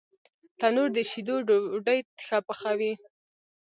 تنور د شیدو ډوډۍ ښه پخوي